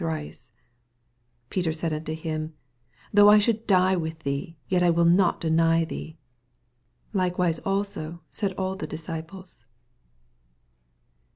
All 85 Peter said unto him, Thongh I should die with thee, yet will I not den;^ thee. Likewise also said all tht disciples.